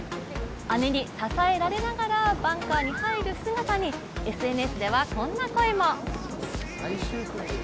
姉に支えられながらバンカーに入る姿にＳＮＳではこんな声も。